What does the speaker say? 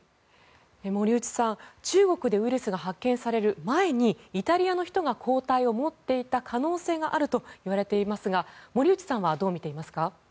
森内さん、中国でウイルスが発見される前にイタリアの人が抗体を持っていた可能性があるといわれていますが森内さんはどう見ていますか？